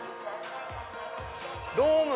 ドーム！